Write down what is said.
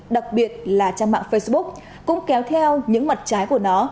đặc biệt là trang mạng facebook cũng kéo theo những mặt trái của nó